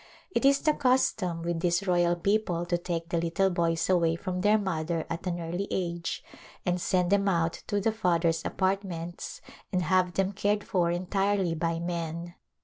It is the custom with these royal people to take the little boys away from their mother at an early age and send them out to the father's apartments and have them cared for entirely by men.